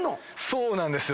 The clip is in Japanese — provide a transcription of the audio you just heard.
そうなんですよ。